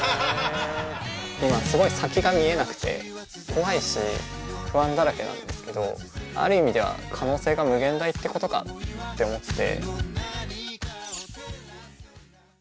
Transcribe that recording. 今すごい先が見えなくて怖いし不安だらけなんですけどある意味では可能性が無限大ってことかって思って。